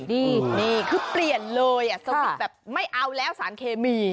นี่คือเปลี่ยนเลยสวิตช์แบบไม่เอาแล้วสารเคมี